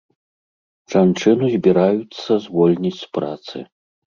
Жанчыну збіраюцца звольніць з працы.